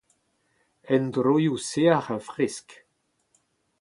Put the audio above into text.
Endroioù sec'h ha fresk.